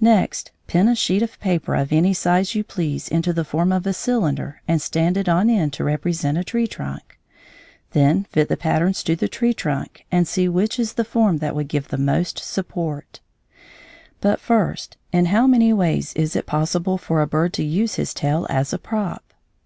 Next, pin a sheet of paper of any size you please into the form of a cylinder and stand it on end to represent a tree trunk. Then fit the patterns to the tree trunk and see which is the form that would give the most support. [Illustration: Patterns of tails.] But first, in how many ways is it possible for a bird to use his tail as a prop?